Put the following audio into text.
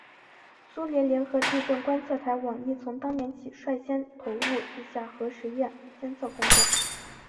苏联联合地震观测台网亦从当年起率先投入地下核试验监测工作。